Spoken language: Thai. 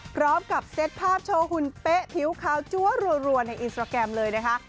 เซตภาพโชว์หุ่นเป๊ะผิวขาวจัวรัวในอินสตราแกรมเลยนะคะ